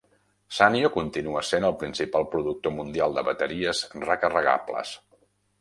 Sanyo continua sent el principal productor mundial de bateries recarregables.